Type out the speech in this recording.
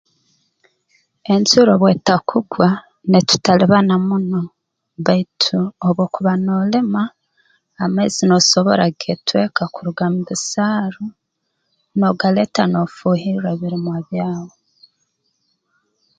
Enjura obu etakugwa nitutalibana muno baitu obu okuba noolima amaizi noosobora kugetweka kuruga mu bisaaru noogaleeta noofuuhirra ebirimwa byawe